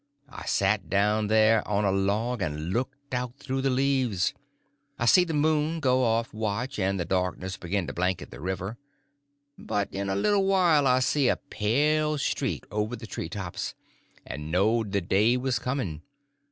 I sat down there on a log, and looked out through the leaves. I see the moon go off watch, and the darkness begin to blanket the river. But in a little while I see a pale streak over the treetops, and knowed the day was coming.